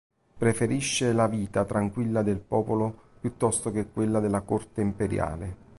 Preferisce la vita tranquilla del popolo piuttosto che quella della corte imperiale.